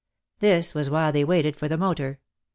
This was while they waited for the motor.